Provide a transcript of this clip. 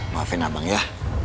maafin abang ya